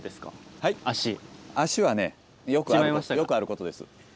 足はねよくあることです。